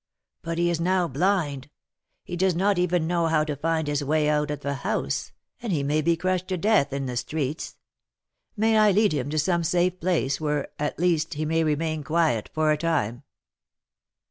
But he is now blind, he does not even know how to find his way out of the house, and he may be crushed to death in the streets; may I lead him to some safe place, where, at least, he may remain quiet for a time?"